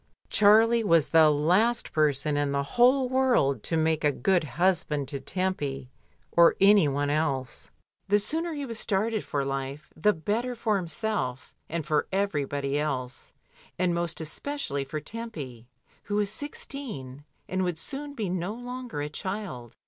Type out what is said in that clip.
Charlie was the last person in the whole world to make a good husband to Tempy or any one else. The sooner he was started for life, the better for him self and for everybody else, and most especially for Tempy, who was sixteen, and would soon be no longer a child.